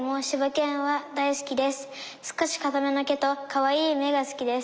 少しかための毛とかわいい目が好きです」。